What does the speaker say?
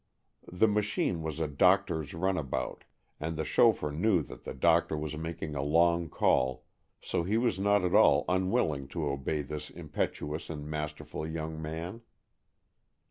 The machine was a doctor's runabout, and the chauffeur knew that the doctor was making a long call, so he was not at all unwilling to obey this impetuous and masterful young man.